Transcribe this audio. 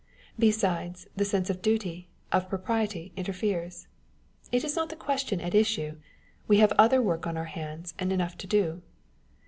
Besides, the sense of duty, of propriety interferes. It is not the question at issue : we have other work on our hands, and enough to do.